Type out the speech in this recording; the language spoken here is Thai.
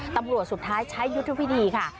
ตำรวจสุดท้ายใช้ยุทธภิษฐีค่ะ